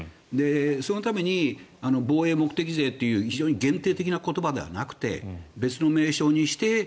そのために防衛目的税という限定的な言葉じゃなくて別の名称にする。